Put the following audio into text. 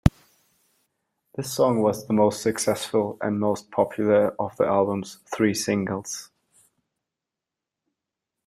This song was the most successful and most popular of the album's three singles.